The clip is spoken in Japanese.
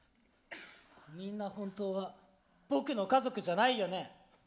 みんな本当は僕の家族じゃないよね？